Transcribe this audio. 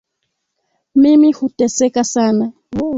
Mimi huteseka sana